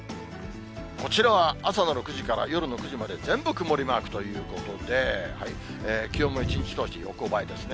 こちらは朝の６時から、夜の９時まで、全部曇りマークということで、気温も一日通して横ばいですね。